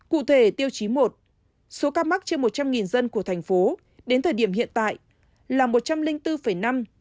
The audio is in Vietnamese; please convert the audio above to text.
cụ thể tiêu chí một số ca mắc trên một trăm linh dân của thành phố đến thời điểm hiện tại là một trăm linh bốn năm